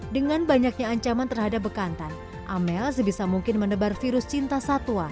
dengan banyaknya ancaman terhadap bekantan amel sebisa mungkin menebar virus cinta satwa